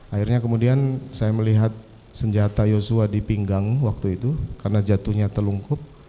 akhirnya kemudian saya melihat senjata yosua di pinggang waktu itu karena jatuhnya telungkup